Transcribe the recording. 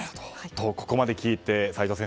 ここまで聞いて、齋藤先生